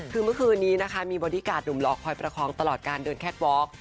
คือเมื่อคืนนี้นะคะมีบอดี้การ์ดหนุ่มหลอกคอยประคองตลอดการเดินแคทวอล์ก